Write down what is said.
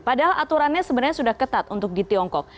padahal aturannya sebenarnya sudah ketat untuk di tiongkok